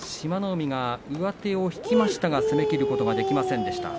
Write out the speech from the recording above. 海が上手を引きましたが踏み切ることができませんでした。